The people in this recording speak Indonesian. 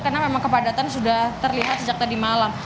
karena memang kepadatan sudah terlihat sejak tadi malam